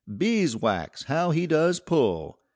Beeswax, how he does pull!"